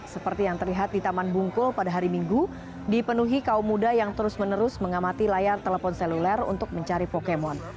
seperti yang terlihat di taman bungkul pada hari minggu dipenuhi kaum muda yang terus menerus mengamati layar telepon seluler untuk mencari pokemon